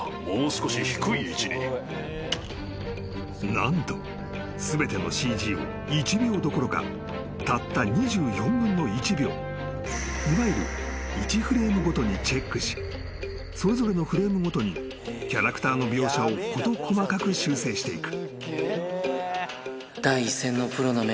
［何と全てのＣＧを１秒どころかたった２４分の１秒いわゆる１フレームごとにチェックしそれぞれのフレームごとにキャラクターの描写を事細かく修正していく］